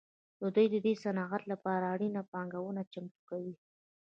دوی د دې صنعت لپاره اړینه پانګونه چمتو کوي